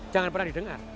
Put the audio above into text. jangan pernah didengar